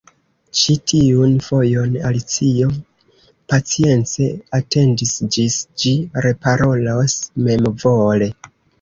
Ĉi tiun fojon Alicio pacience atendis ĝis ĝi reparolos memvole.